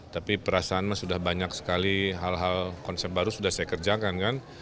tapi perasaan sudah banyak sekali hal hal konsep baru sudah saya kerjakan kan